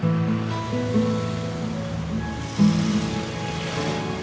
gak usah lo nyesel